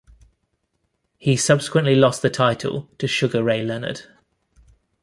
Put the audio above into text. He subsequently lost the title to Sugar Ray Leonard.